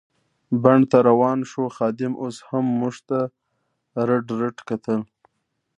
بڼ ته روان شوو، خادم اوس هم موږ ته رډ رډ کتل.